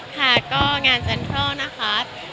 ค่ะก็งานเซ็นทรัลนะคะ